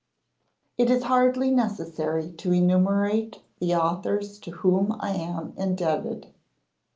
It is hardly necessary to enumerate the authors to whom I am indebted.